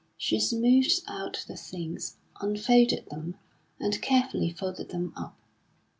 She smoothed out the things, unfolded them, and carefully folded them up.